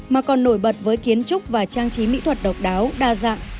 mà còn nổi bật với kiến trúc và trang trí mỹ thuật độc đáo đa dạng